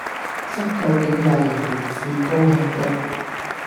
則究竟也仍然是高興的。